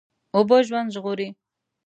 اوبه ژوند ژغوري.